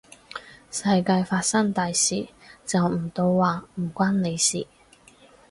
世界發生大事，就唔到話唔關你事